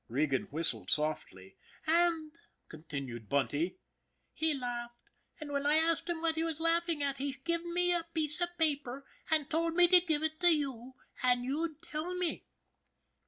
Regan whistled softly. " And," continued Bunty, " he laughed, and when I asked him what he was laughing at, he gived me a piece of paper and told me to give it to you, and you'd tell me."